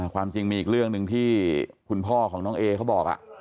ความจริงมีอีกเรื่องหนึ่งที่คุณพ่อของน้องเอเขาบอก